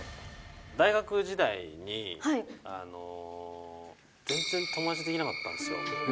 大学時代に、全然友達できなかったんですよ。